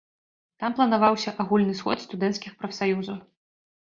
Там планаваўся агульны сход студэнцкіх прафсаюзаў.